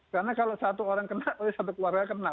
karena kalau satu orang kena satu keluarga kena